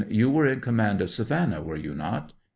You were in command of Savannah, were you not?